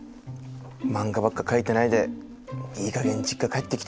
漫画ばっか描いてないでいいかげん実家帰ってきてよ。